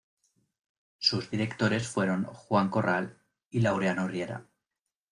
Sus directores fueron Juan Corral y Laureano Riera.